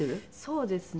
そうですね。